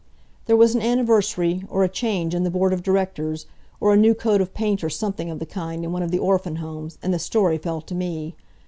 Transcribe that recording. There was an anniversary, or a change in the board of directors, or a new coat of paint or something of the kind in one of the orphan homes, and the story fell to me.